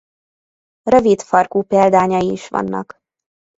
Rövid farkú példányai is vannak.